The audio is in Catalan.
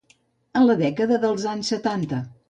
En la dècada dels anys setanta.